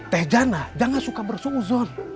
teh jana jangan suka bersuuzon